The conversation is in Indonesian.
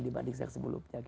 dibanding sejak sebelumnya gitu